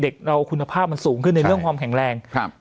เด็กเราคุณภาพมันสูงขึ้นในเรื่องความแข็งแรงครับ